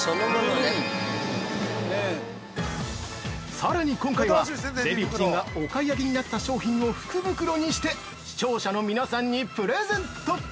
◆さらに今回は、デヴィ夫人がお買い上げになった商品を福袋にして視聴者の皆さんにプレゼント！